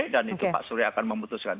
dan itu pak surya akan memutuskan